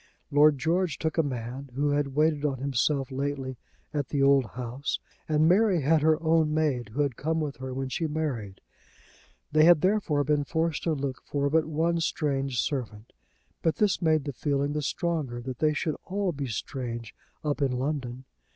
Lord George took a man who had waited on himself lately at the old house, and Mary had her own maid who had come with her when she married. They had therefore been forced to look for but one strange servant. But this made the feeling the stronger that they would all be strange up in London.